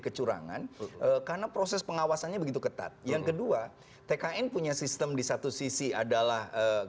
kecurangan karena proses pengawasannya begitu ketat yang kedua tkn punya sistem di satu sisi adalah